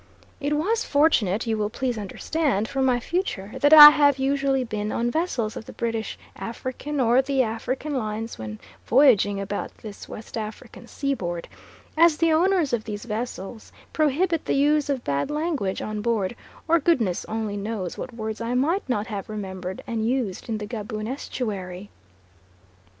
It was fortunate, you will please understand, for my future, that I have usually been on vessels of the British African or the African lines when voyaging about this West African sea board, as the owners of these vessels prohibit the use of bad language on board, or goodness only knows what words I might not have remembered and used in the Gaboon estuary.